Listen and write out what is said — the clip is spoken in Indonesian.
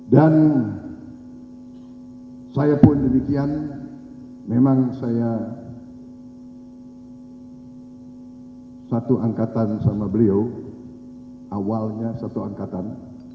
dan saya pun demikian memang saya satu angkatan sama beliau awalnya satu angkatan